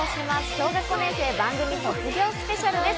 小学５年生、番組卒業スペシャルです。